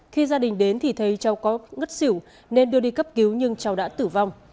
khi gia đình đến thì thấy cháu có ngất xỉu nên đưa đi cấp cứu nhưng cháu đã tử vong